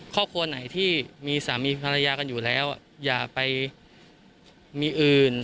ครอบครัวไหนที่มีสามีภรรยากันอยู่แล้วอย่าไปมีอื่น